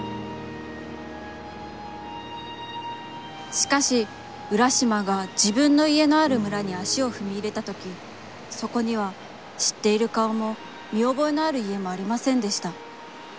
しかし、浦島がじぶんの家のある村に足をふみ入れた時、そこには知っている顔も、みおぼえのある家もありませんでした。